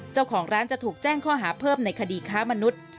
เจ้าของร้านจะถูกแจ้งข้อหาเพิ่มในคดีค้ามนุษย์